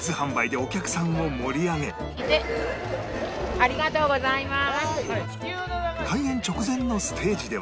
ありがとうございます。